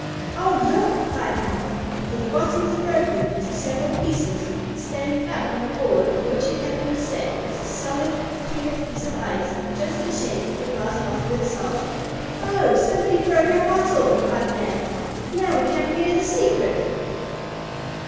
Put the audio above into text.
"Oh, look!" cried Hal. For the bottle was broken into several pieces, and standing up on the board on which it had been set, was a solid, clear piece of ice, just the shape of the glass bottle itself. "Oh, somebody broke our bottle!" cried Mab. "Now we can't hear the secret!"